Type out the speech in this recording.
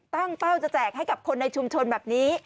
เป้าจะแจกให้กับคนในชุมชนแบบนี้